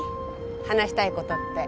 話したいことって。